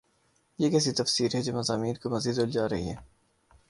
یہ کیسی تفسیر ہے جو مضامین کو مزید الجھا رہی ہے؟